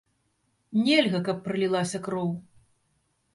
Нельга, каб пралілася кроў.